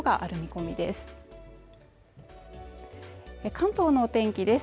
関東のお天気です